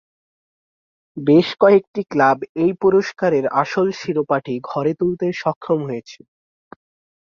বেশ কয়েকটি ক্লাব এই পুরস্কারের আসল শিরোপাটি ঘরে তুলতে সক্ষম হয়েছে।